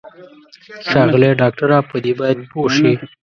ښاغلی ډاکټره په دې باید پوه شې.